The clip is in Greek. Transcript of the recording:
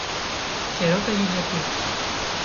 και ρώτησε γιατί.